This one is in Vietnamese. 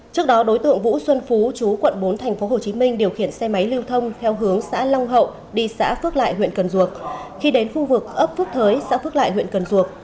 trước đó đối tượng vũ xuân phú chú quận bốn tp hcm điều khiển xe máy lưu thông theo hướng xã long hậu đi xã phước lại huyện cần duộc